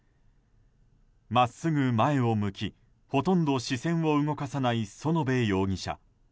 真っすぐ前を向き、ほとんど視線を動かさない園部容疑者。